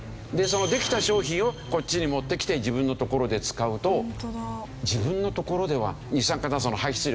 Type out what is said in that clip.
そのできた商品をこっちに持ってきて自分のところで使うと自分のところでは二酸化炭素の排出量が少ない。